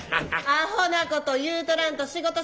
アホなこと言うとらんと仕事しなはれ！